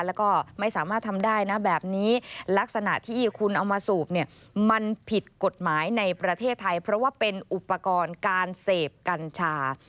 แล้วก็ไม่สามารถทำได้นะแบบนี้ลักษณะที่คุณเอามาสูบเนี่ยมันผิดกฎหมายในประเทศไทยเพราะว่าเป็นอุปกรณ์การเสพกัญชา